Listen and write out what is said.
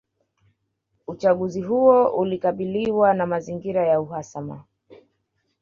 Uchaguzi huo ulikabiliwa na mazingira ya uhasama